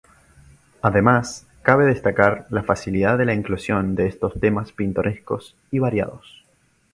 Además cabe destacar la facilidad de la inclusión de estos temas pintorescos y variados.